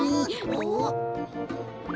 おっ！